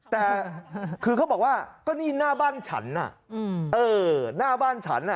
แต่คือเขาบอกว่าก็นี่หน้าบ้านฉันหน้าบ้านฉัน